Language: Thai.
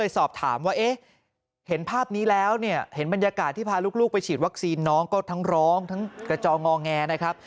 ซีนน้องก็ทั้งร้องทั้งกระจองงอแงนะครับ